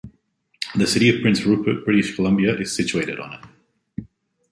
The city of Prince Rupert, British Columbia is situated on it.